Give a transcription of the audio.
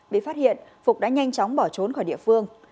bị phát hiện phục đã nhanh chóng bỏ trốn khỏi địa phương